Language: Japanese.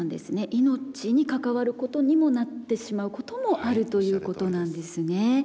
命に関わることにもなってしまうこともあるということなんですね。